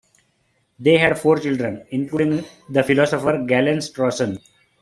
They had four children, including the philosopher Galen Strawson.